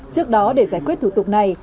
trước đó để giải quyết thủ tục này